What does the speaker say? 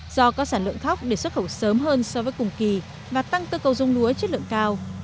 do có sản lượng thóc để xuất khẩu sớm hơn so với cùng kỳ và tăng cơ cầu dung lúa chất lượng cao